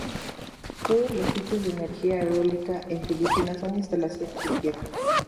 Todos los sitios de energía eólica en Filipinas son instalaciones en tierra.